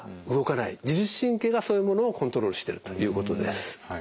自律神経がそういうものをコントロールしてるということです。